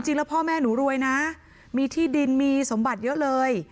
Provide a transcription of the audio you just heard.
จริงแล้วพ่อแม่หนูรวยนะมีที่ดินมีสมบัติเยอะเลย